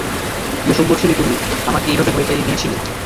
কি অসভ্য ছেলে তুমি, আমাকে এভাবে ভয় পাইয়ে দিয়েছিলে।